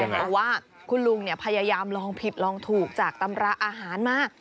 เพราะว่าคุณลุงพยายามลองผิดลองถูกจากตำราอาหารมา